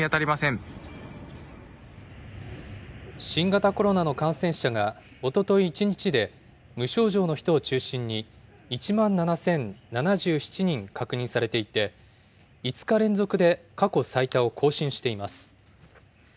新型コロナの感染者がおととい１日で、無症状の人を中心に、１万７０７７人確認されていて、５日連続で過去最多を更新しています。